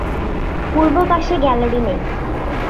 পূর্ব পাশে গ্যালারি নেই।